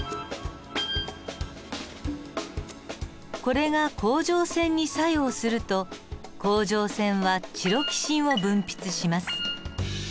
これが甲状腺に作用すると甲状腺はチロキシンを分泌します。